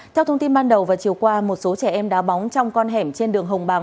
theo thông tin ban đầu vào chiều qua một số trẻ em đá bóng trong con hẻm trên đường hồng bàng